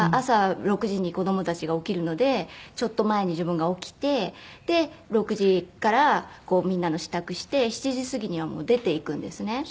朝６時に子供たちが起きるのでちょっと前に自分が起きてで６時からみんなの支度して７時すぎにはもう出ていくんですね。